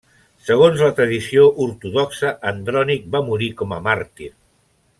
Segons la tradició ortodoxa, Andrònic va morir com a màrtir.